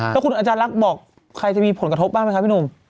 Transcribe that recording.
แล้วคุณอาจารย์ลักษณ์บอกใครจะมีผลกระทบบ้างไหมคะพี่หนุ่ม